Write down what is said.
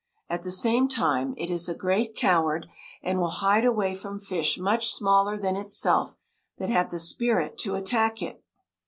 At the same time it is a great coward, and will hide away from fish much smaller than itself that have the spirit to attack it.